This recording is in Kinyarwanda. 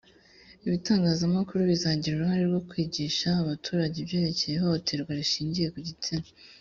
ibitangazamakuru bizagira uruhare rwo kwigisha abaturage ibyerekeye ihohoterwa rishingiye ku gitsina